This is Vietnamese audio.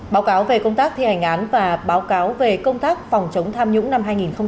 báo cáo về công tác thi hành án và báo cáo về công tác phòng chống tham nhũng năm hai nghìn hai mươi